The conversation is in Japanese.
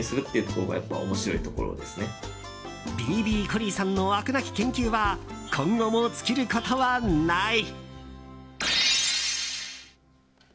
コリーさんの飽くなき研究は今後も尽きることはない。